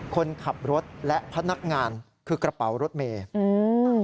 คนขับรถและพนักงานคือกระเป๋ารถเมย์อืม